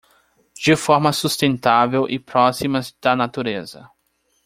de forma sustentável e próximas da natureza.